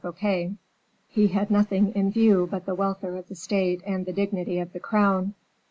Fouquet, he had nothing in view but the welfare of the state and the dignity of the crown.